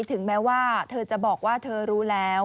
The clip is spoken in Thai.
ถึงแม้ว่าเธอจะบอกว่าเธอรู้แล้ว